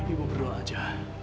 ibu berdoa aja